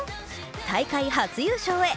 大会初優勝へ。